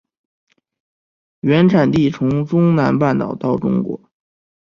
原产地从中南半岛到中国。